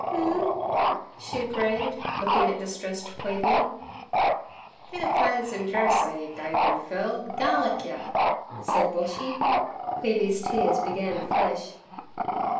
"N,' she agreed, looking at distressed Queeby. 'Get 'er clo'es an' dress 'er, yer gapin' phil garlic yer!' said Boshy. Queeby's tears began afresh.